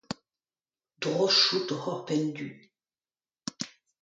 Droch out oc'h ober penn-du.